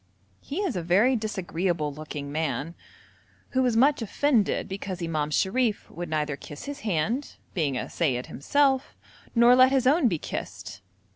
He is a very disagreeable looking man, who was much offended because Imam Sharif would neither kiss his hand, being a seyyid himself, nor let his own be kissed.